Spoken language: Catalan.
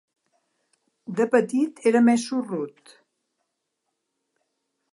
De petit era més sorrut.